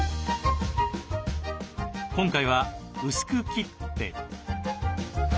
今回は薄く切って。